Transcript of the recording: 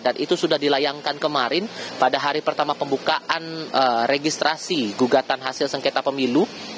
dan itu sudah dilayangkan kemarin pada hari pertama pembukaan registrasi gugatan hasil sengketa pemilu